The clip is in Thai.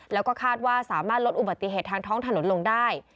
แล้วก็คาดว่าสามารถลดอุบัติเหตุทางท้องถนนลงได้